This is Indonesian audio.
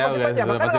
ya pasti penyidik